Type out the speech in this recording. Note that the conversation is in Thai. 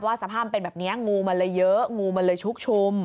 สภาพมันเป็นแบบนี้งูมันเลยเยอะงูมันเลยชุกชุม